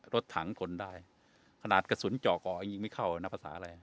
รถถังคนได้ขนาดกระสุนเจาะก่อยิงไม่เข้านะภาษาอะไร